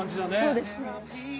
そうですね。